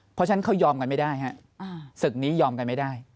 เพราะฉะนั้นเขายอมกันไม่ได้ฮะศึกนี้ยอมกันไม่ได้